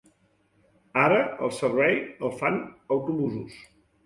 Ara el servei el fan autobusos.